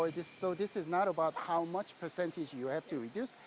jadi ini bukan tentang berapa banyak persen yang harus anda kurangkan